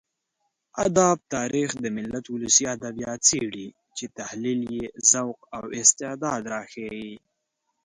ادب تاريخ د ملت ولسي ادبيات څېړي چې تحليل يې ذوق او استعداد راښيي.